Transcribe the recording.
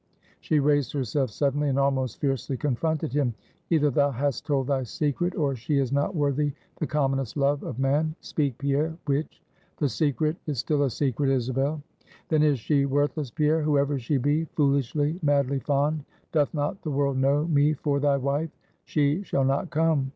She raised herself suddenly, and almost fiercely confronted him. "Either thou hast told thy secret, or she is not worthy the commonest love of man! Speak Pierre, which?" "The secret is still a secret, Isabel." "Then is she worthless, Pierre, whoever she be foolishly, madly fond! Doth not the world know me for thy wife? She shall not come!